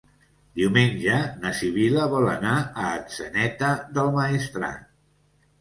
Diumenge na Sibil·la vol anar a Atzeneta del Maestrat.